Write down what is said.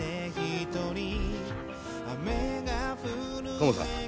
カモさん